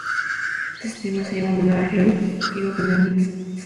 Este sistema se llama monorraíl "Gyro-Dynamics".